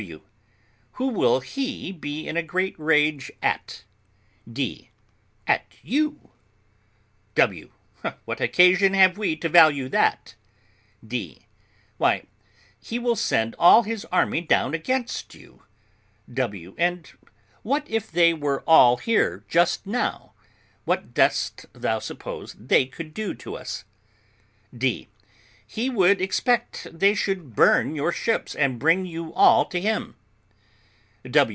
W. Who will he be in a great rage at? D. At you. W. What occasion have we to value that? D. Why, he will send all his army down against you. W. And what if they were all here just now? What dost thou suppose they could do to us? D. He would expect they should burn your ships and bring you all to him.